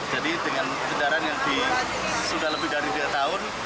dengan kendaraan yang sudah lebih dari tiga tahun